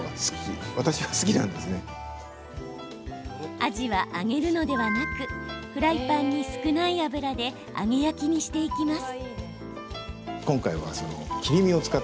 アジは揚げるのではなくフライパンに少ない油で揚げ焼きにしていきます。